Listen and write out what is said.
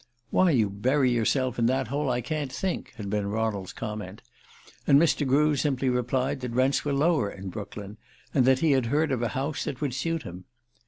"Why you bury yourself in that hole I can't think," had been Ronald's comment; and Mr. Grew simply replied that rents were lower in Brooklyn, and that he had heard of a house that would suit him.